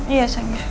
iya sayang ya yaudah